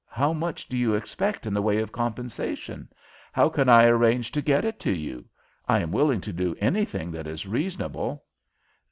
How much do you expect in the way of compensation? How can I arrange to get it to you? I am willing to do anything that is reasonable."